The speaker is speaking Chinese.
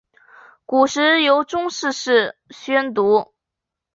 古时由中臣式宣读。